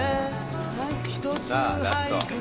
さあラスト。